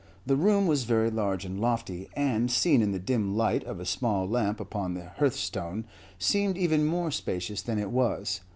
The room was very large and lofty, and, seen in the dim light of a small lamp upon the hearthstone, seemed even more spacious than it was.